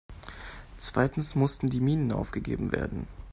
Zweitens mussten die Minen aufgegeben werden.